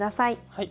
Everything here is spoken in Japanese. はい。